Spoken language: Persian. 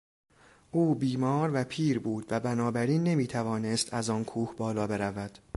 او بیمار و پیر بود و بنابراین نمیتوانست از آن کوه بالا برود.